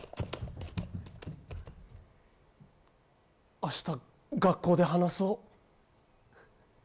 明日、学校で話そう。